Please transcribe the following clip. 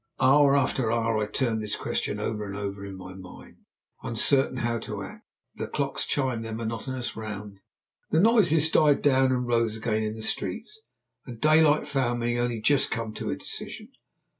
Hour after hour I turned this question over and over in my mind, uncertain how to act. The clocks chimed their monotonous round, the noises died down and rose again in the streets, and daylight found me only just come to a decision.